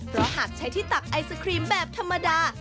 เพราะหากใช้ที่ตักไอศครีมแบบธรรมดา